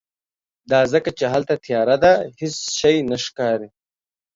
دا ځکه چې هلته تیاره ده، هیڅ شی نه ښکاری